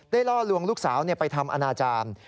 ล่อลวงลูกสาวไปทำอนาจารย์